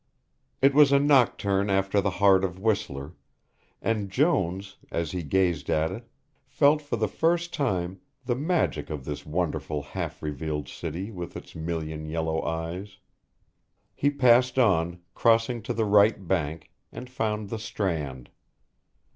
It was a nocturne after the heart of Whistler, and Jones, as he gazed at it, felt for the first time the magic of this wonderful half revealed city with its million yellow eyes. He passed on, crossing to the right bank, and found the Strand.